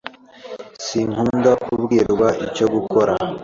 Sinkunda kubwirwa icyo gukora.